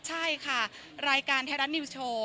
ใช่ค่ะรายการไทยรัฐนิวส์โชว์